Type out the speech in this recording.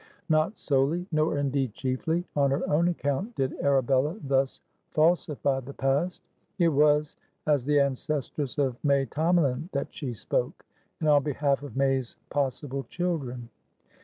Not solely, nor indeed chiefly, on her own account did Arabella thus falsify the past; it was as the ancestress of May Tomalin that she spoke, and on behalf of May's possible children.